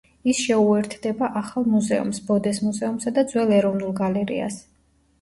ის შეუერთდება ახალ მუზეუმს, ბოდეს მუზეუმსა და ძველ ეროვნულ გალერეას.